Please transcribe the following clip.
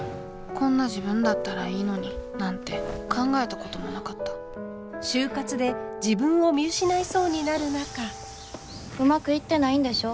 「こんな自分だったらいいのに」なんて考えたこともなかったうまくいってないんでしょ？